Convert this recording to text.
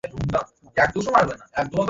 Copy, ma'am.